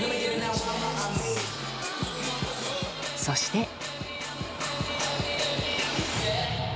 そして。